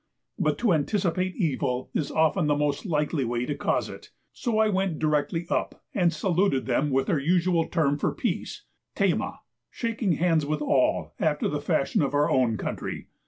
But to anticipate evil is often the most likely way to cause it, so I went directly up, and saluted them with their usual term for peace (teyma), shaking hands with all after the fashion of our own country.